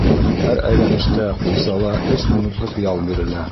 Һәр әйләнештә ҡулсала өс минутлыҡ ял бирелә.